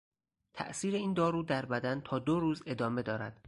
تاثیر این دارو در بدن تا دو روز ادامه دارد.